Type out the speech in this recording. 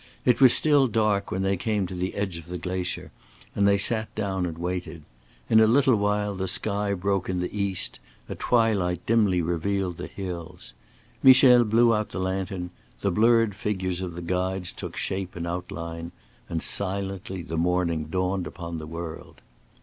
It was still dark when they came to the edge of the glacier, and they sat down and waited. In a little while the sky broke in the East, a twilight dimly revealed the hills, Michel blew out the lantern, the blurred figures of the guides took shape and outline, and silently the morning dawned upon the world.